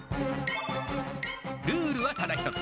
ルールはただ一つ。